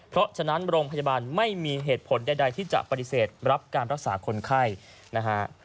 เพราะฉะนั้นโรงพยาบาลไม่มีเหตุผลใดที่จะปฏิเสธรับการรักษาคนไข้นะฮะ